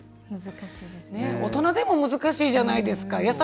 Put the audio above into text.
大人でも難しいじゃないですか。